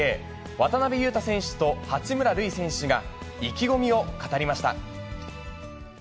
渡邊雄太選手と八村塁選手が、意気込みを語りました。